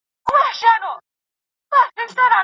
د اسلامي شریعت احکام د بشریت د ژغورنې لپاره دي.